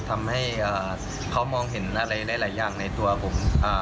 ทำให้เขามองเห็นอะไรหลายอย่างในตัวผม